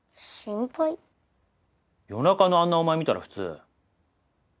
夜中のあんなお前見たら普通。